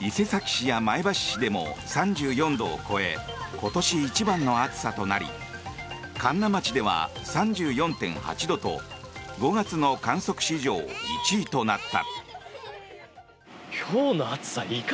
伊勢崎市や前橋市でも３４度を超え今年一番の暑さとなり神流町では３４．８度と５月の観測史上１位となった。